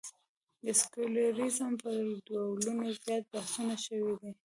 د سیکولریزم پر ډولونو زیات بحثونه شوي دي.